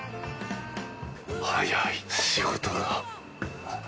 早い仕事が。